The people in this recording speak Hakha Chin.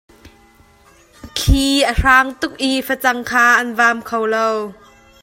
Thli a hrang tuk i facang kha an vam kho lo.